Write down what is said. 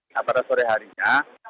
nah pada sore harinya